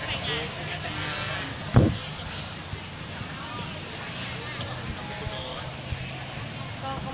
เออครับผมขอบคุณครับผม